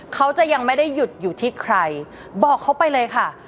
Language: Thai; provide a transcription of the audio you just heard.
เขาจะยังไม่ได้หยุดอยู่ที่ใครบอกเขาไปเลยค่ะ